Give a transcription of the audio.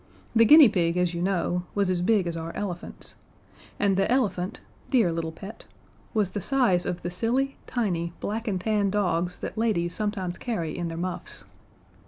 The guinea pig, as you know, was as big as our elephants, and the elephant dear little pet was the size of the silly, tiny, black and tan dogs that ladies carry sometimes in their muffs.